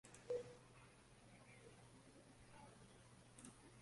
Hizi ni pamoja na